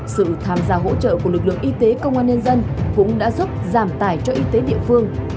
sự tham gia hỗ trợ của lực lượng y tế công an nhân dân cũng đã giúp giảm tải cho y tế địa phương